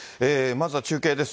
まずは中継です。